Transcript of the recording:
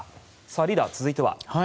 リーダー続いては？